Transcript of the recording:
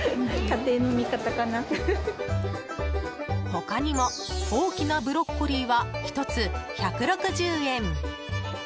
他にも、大きなブロッコリーは１つ１６０円。